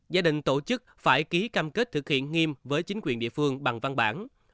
gia đình tổ chức phải ký cam kết thực hiện nghiêm với chính quyền địa phương bằng văn bản